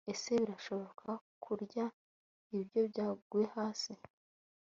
ese birashoboka kurya ibiryo byaguye hasi